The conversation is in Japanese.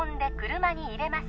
車に入れます